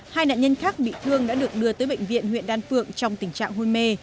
hai nạn nhân khác bị thương đã được đưa tới bệnh viện huyện đan phượng trong tình trạng hôn mê